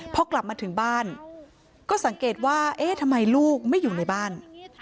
พอกลับมาถึงบ้านก็สังเกตว่าเอ๊ะทำไมลูกไม่อยู่ในบ้าน